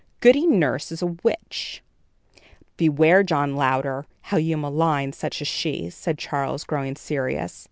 Goody Nurse is a witch." "Beware, John Louder, how you malign such as she," said Charles, growing serious.